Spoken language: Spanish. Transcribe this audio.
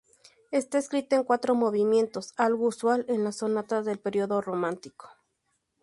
Está escrita en cuatro movimientos, algo usual en las sonatas del período romántico.